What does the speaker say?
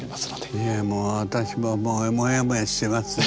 いえもうあたしももうモヤモヤしてますよ。